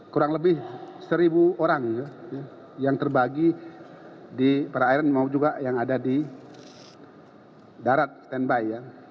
kurang lebih seribu orang yang terbagi di perairan maupun juga yang ada di darat standby